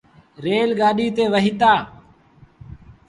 ريل گآڏيٚ تي وهيتآ۔